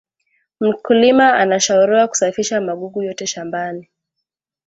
mkuliMA anashauriwa kusafisha magugu yote shambani